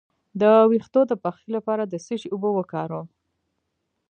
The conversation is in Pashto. د ویښتو د پخې لپاره د څه شي اوبه وکاروم؟